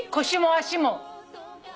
腰も足も。